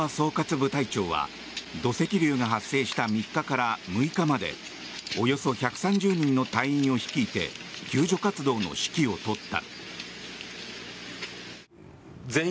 部隊長は土石流が発生した３日から６日までおよそ１３０人の隊員を率いて救助活動の指揮を執った。